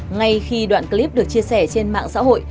ngay khi đoạn clip được chia sẻ trên mạng xã hội